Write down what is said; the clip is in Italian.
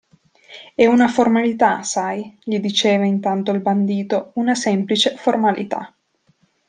È una formalità, sai, gli diceva intanto il bandito, una semplice formalità.